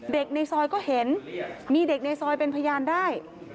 ในซอยก็เห็นมีเด็กในซอยเป็นพยานได้